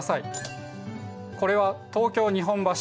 これは東京日本橋。